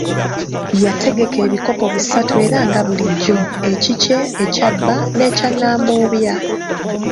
Yategeka ebikopo bisatu era nga bulijjo, ekikye, ekya bba n'ekya Nnambobya.